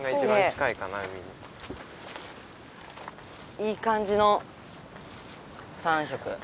いい感じの３色。